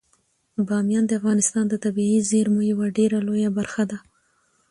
بامیان د افغانستان د طبیعي زیرمو یوه ډیره لویه برخه ده.